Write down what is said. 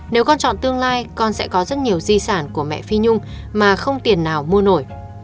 nếu con chọn tương lai con sẽ có rất nhiều di sản của mẹ phi nhung mà không tiền nào mua nổi